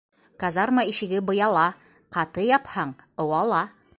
Казарма ишеге быяла, ҡаты япһаң ыуала